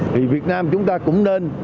thì việt nam chúng ta cũng nên